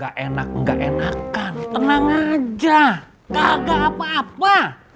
gak enak gak enakan tenang aja gak apa apa